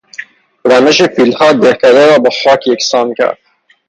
رمش فیلها دهکده را با خاک یکسان کرد.